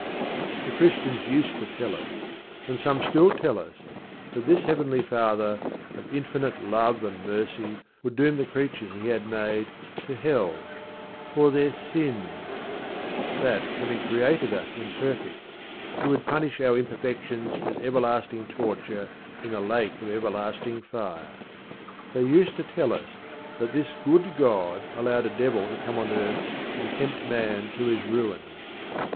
The Christians used to tell us, and some still tell us, that this Heavenly Father of infinite love and mercy would doom the creatures He had made to Hell for their sins. That, having created us imperfect, He would punish our imperfections with everlasting torture in a lake of everlasting fire. They used to tell us that this good God allowed a Devil to come on earth and tempt man to his ruin.